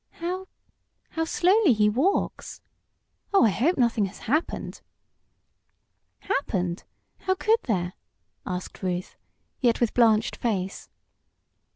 How how slowly he walks! Oh, I hope nothing has happened!" "Happened? How could there?" asked Ruth, yet with blanched face.